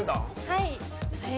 はい。